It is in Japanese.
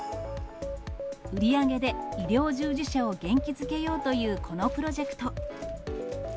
売り上げで医療従事者を元気づけようというこのプロジェクト。